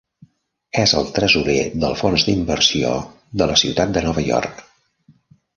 És el tresorer del fons d'inversió de la ciutat de Nova York.